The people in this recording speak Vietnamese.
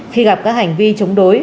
khi gặp các hành vi chống đối